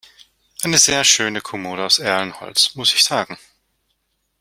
Eine sehr schöne Kommode aus Erlenholz, muss ich sagen!